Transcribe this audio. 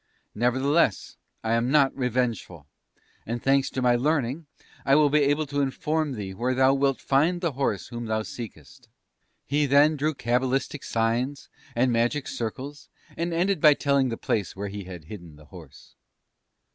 Nevertheless, I am not revengeful; and thanks to my learning, I will be able to inform thee where thou wilt find the horse whom thou seekest.' "He then drew cabalistic signs, and magic circles, and ended by telling the place where he had hidden the horse.